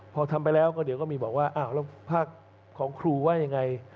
พอทำไปแล้วก็เดี๋ยวก็มีบอกว่าอ้าวแล้วภาคของครูว่ายังไง